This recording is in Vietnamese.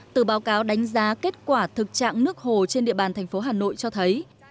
từ báo cáo đánh giá kết quả thực trạng nước hồ trên địa bàn thành phố hà nội cho thấy